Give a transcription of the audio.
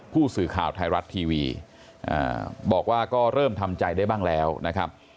ผู้สื่อข่าวไทยรัฐทีวีบอกว่าก็เริ่มทำใจได้บ้างแล้วนะครับ